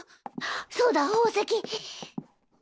そうだ宝石。